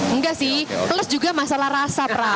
enggak sih plus juga masalah rasa pra